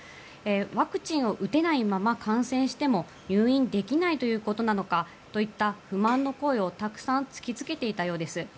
ワクチンを打てないまま感染しても入院できないということなのかといった不満の声を、たくさん突きつけていたようです。